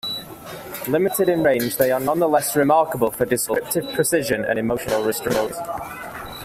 Limited in range, they are nonetheless remarkable for descriptive precision and emotional restraint.